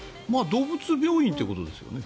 動物病院ということですよね？